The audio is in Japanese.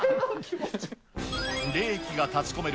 冷気が立ちこめる